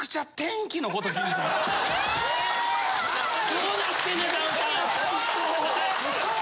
・どうなってんねんダウンタウン・・ウソ！？